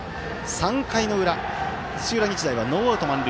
３回の裏、土浦日大はノーアウト、満塁。